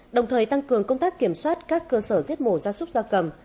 đồng thời tăng cường công tác kiểm soát các cơ sở giết mổ gia súc gia cầm